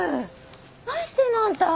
何してんのあんた。